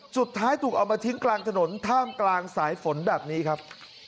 สุดท้ายถูกเอามาทิ้งกลางถนนท่ามกลางสายฝนแบบนี้ครับ